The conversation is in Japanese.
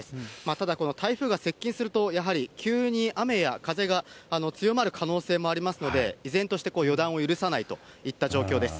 ただ、この台風が接近すると、やはり急に雨や風が強まる可能性もありますので、依然として予断を許さないといった状況です。